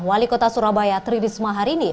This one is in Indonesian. wali kota surabaya tri risma hari ini